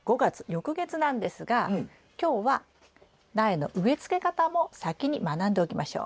翌月なんですが今日は苗の植え付け方も先に学んでおきましょう。